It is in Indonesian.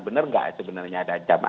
benar nggak sebenarnya ada